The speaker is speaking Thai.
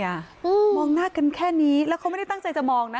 มองหน้ากันแค่นี้แล้วเขาไม่ได้ตั้งใจจะมองนะ